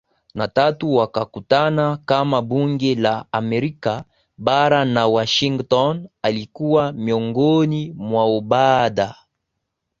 na tatu wakakutana kama bunge la Amerika Bara na Washington alikuwa miongoni mwaoBaada